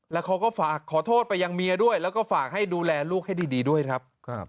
แล้วเขาก็ฝากขอโทษไปยังเมียด้วยแล้วก็ฝากให้ดูแลลูกให้ดีด้วยครับ